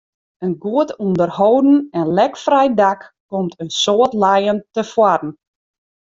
In goed ûnderholden en lekfrij dak komt in soad lijen tefoaren.